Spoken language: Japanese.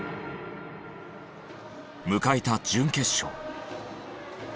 迎えた準決勝。